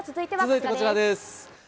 続いてこちらです。